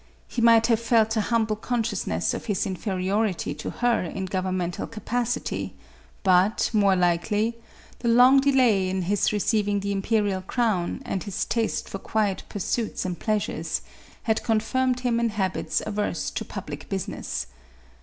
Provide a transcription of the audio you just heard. He might have felt a humble consciousness of his inferiority to her in governmental capacity, but, more likely, the long delay in his re ceiving the imperial crown, and his taste for quiet pur suits and pleasures, had confirmed him in habits averse to public business.